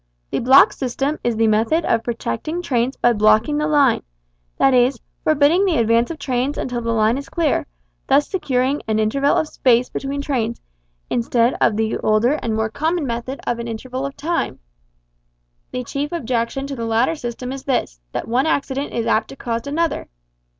The block system is the method of protecting trains by "blocking" the line; that is, forbidding the advance of trains until the line is clear, thus securing an interval of space between trains, instead of the older and more common method of an interval of time. The chief objection to the latter system is this, that one accident is apt to cause another.